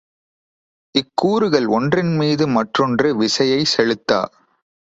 இக்கூறுகள் ஒன்றின்மீது மற்றொன்று விசையைச் செலுத்தா.